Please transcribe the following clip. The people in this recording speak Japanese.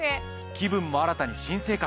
気分も新たに新生活。